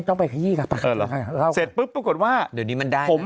ต้องบอกไว้ก่อน